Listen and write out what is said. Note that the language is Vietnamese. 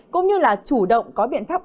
cũng như là chủ động có biện pháp